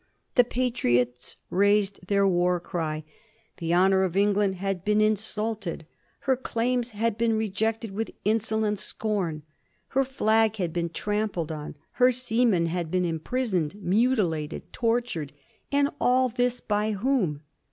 The Patriots raised their war cry. The honor of Eng land had been insulted. Her claims had been rejected with insolent scorn. Her flag had been trampled on ; her seamen had been imprisoned, mutilated, tortured; and all this by whom?